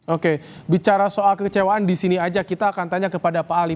oke bicara soal kekecewaan di sini aja kita akan tanya kepada pak ali